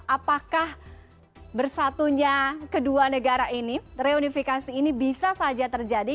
apakah bersatunya kedua negara ini reunifikasi ini bisa saja terjadi